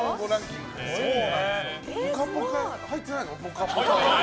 「ぽかぽか」、入ってないの？